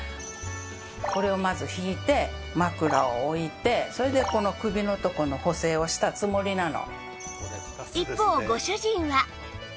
これをまず敷いて枕を置いてそれでこの首のところの補整をしたつもりなの。